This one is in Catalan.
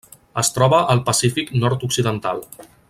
Es troba al Pacífic nord-occidental: